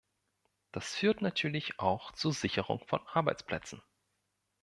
Das führt natürlich auch zur Sicherung von Arbeitsplätzen.